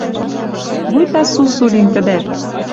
Вуйта сусу лин тӹдӓт